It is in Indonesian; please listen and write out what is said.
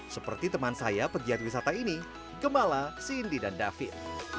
seperti teman saya pegiat wisata ini gemala cindy dan david